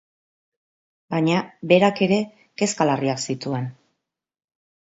Baina berak ere kezka larriak zituen.